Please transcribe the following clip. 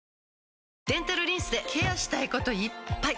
デンタルリンスでケアしたいこといっぱい！